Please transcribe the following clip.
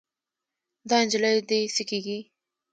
دا نجلۍ دې څه کيږي؟